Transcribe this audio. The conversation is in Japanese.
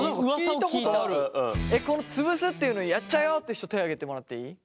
この潰すっていうのをやっちゃうよって人手挙げてもらっていい？